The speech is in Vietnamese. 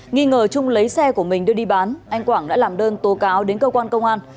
nghi ngờ trung lấy xe của mình đưa đi bán anh quảng đã làm đơn tố cáo đến cơ quan công an